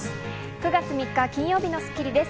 ９月３日、金曜日の『スッキリ』です。